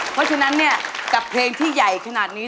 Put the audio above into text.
เพราะฉะนั้นเนี่ยกับเพลงที่ใหญ่ขนาดนี้